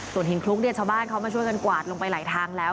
ส่วนหินคลุกเนี่ยชาวบ้านเขามาช่วยกันกวาดลงไปหลายทางแล้ว